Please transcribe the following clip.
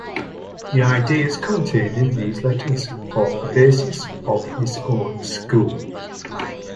The ideals contained in these letters formed the basis of his own school.